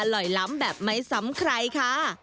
ลอยล้ำแบบไม่ซ้ำใครค่ะ